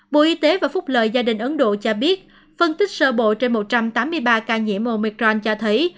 bộ y tế và phúc lợi gia đình ấn độ cho biết phân tích sơ bộ trên một trăm tám mươi ba ca nhiễm mormicron cho thấy